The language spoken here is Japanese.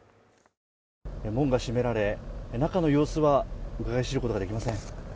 門が閉められ、中の様子はうかがい知ることができません。